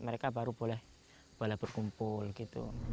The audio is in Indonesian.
mereka baru boleh berkumpul gitu